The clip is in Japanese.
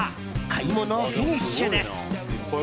買い物フィニッシュです。